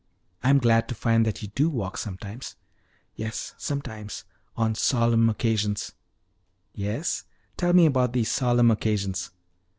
I'm glad to find that you do walk sometimes." "Yes, sometimes on solemn occasions." "Yes? Tell me about these solemn occasions."